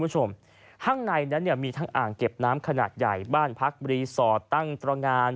ห้างในนั้นมีทางอ่างเก็บน้ำขนาดใหญ่บ้านพักบรีสอร์ตตั้งตรงาน